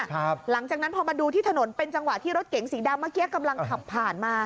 หลังจากนั้นพอมาดูที่ถนนเป็นจังหวะที่รถเก๋งสีดำเมื่อกี้กำลังขับผ่านมา